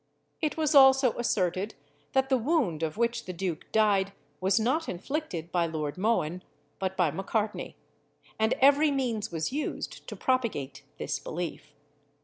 It was also asserted that the wound of which the duke died was not inflicted by Lord Mohun, but by Macartney; and every means was used to propagate this belief.